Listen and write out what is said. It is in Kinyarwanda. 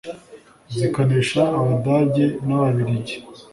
Zikanesha Abadage n'ababiligi